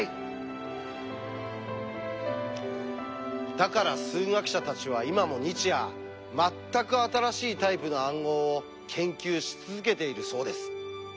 だから数学者たちは今も日夜全く新しいタイプの暗号を研究し続けているそうです。